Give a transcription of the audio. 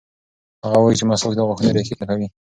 هغه وایي چې مسواک د غاښونو ریښې کلکوي.